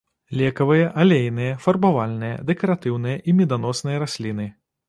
Лекавыя, алейныя, фарбавальныя, дэкаратыўныя і меданосныя расліны.